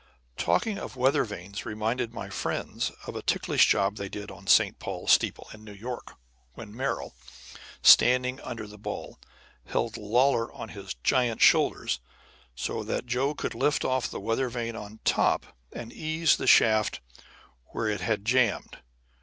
Talking of weather vanes reminded my friends of a ticklish job they did on St. Paul's steeple, in New York, when Merrill, standing under the ball, held Lawlor on his giant shoulders so that Joe could lift off the weather vane on top and ease the shaft where it had jammed.